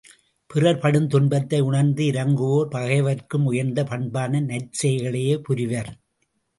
பிறர் படும் துன்பத்தை உணர்ந்து இரங்குவோர் பகைவர்க்கும் உயர்ந்த பண்பான நற்செயல்களையே புரிவர்.